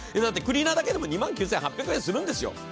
だってクリーナーだけでも２万９８００円するんですよ。